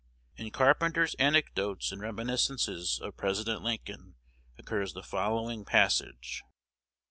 In Carpenter's "Anecdotes and Reminiscences of President Lincoln," occurs the following passage